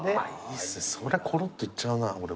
そりゃころっといっちゃうな俺も。